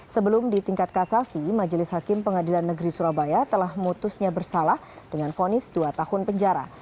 sebelum di tingkat kasasi majelis hakim pengadilan negeri surabaya telah mutusnya bersalah dengan fonis dua tahun penjara